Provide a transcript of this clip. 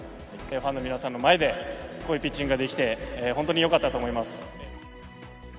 ファンの皆さんの前でこういうピッチングができて、本当によかったと思います。